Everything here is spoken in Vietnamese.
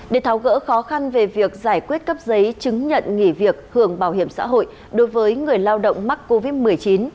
để tháo gỡ khó khăn về việc giải quyết cấp giấy chứng nhận nghỉ việc hưởng bảo hiểm xã hội đối với người lao động mắc covid một mươi chín